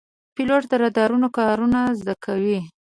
پیلوټ د رادارونو کارونه زده کوي.